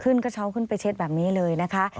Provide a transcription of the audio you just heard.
กระเช้าขึ้นไปเช็ดแบบนี้เลยนะคะ